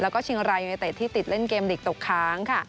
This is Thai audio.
แล้วก็ชิงรายังไยเตะที่ติดเล่นเกมหลีกตกค้าง